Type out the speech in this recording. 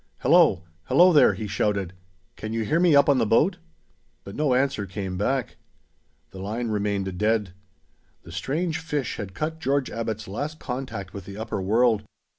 "Hello! Hello there!" he shouted. "Can you hear me up on the boat?" But no answer came back. The line remained dead. The strange fish had cut George Abbot's last contact with the upper world.